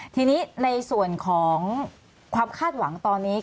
ทีนี้ในส่วนของความคาดหวังตอนนี้